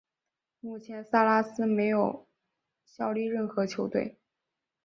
目前萨拉斯没有效力任何球队。